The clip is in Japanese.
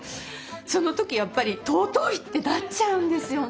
その時やっぱり尊いってなっちゃうんですよね。